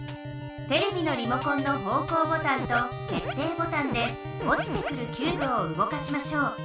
テレビのリモコンの方向ボタンと決定ボタンで落ちてくるキューブをうごかしましょう。